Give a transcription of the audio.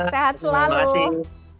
sehat selalu terima kasih